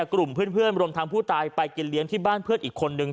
กลุ่มเพื่อนรวมทางผู้ตายไปกินเลี้ยงที่บ้านเพื่อนอีกคนนึง